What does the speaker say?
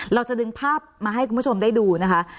เราจะดึงภาพมาให้คุณผู้ชมได้ดูนะคะ